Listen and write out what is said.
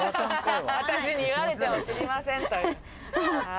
私に言われても知りませんという。